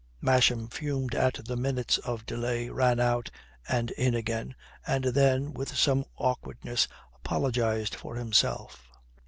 Masham fumed at the minutes of delay, ran out and in again, and then with some awkwardness apologized for himself.